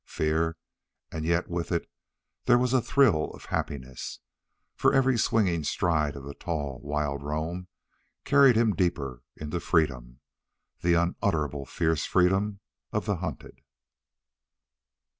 Fear, and yet with it there was a thrill of happiness, for every swinging stride of the tall, wild roan carried him deeper into freedom, the unutterable fierce freedom of the hunted.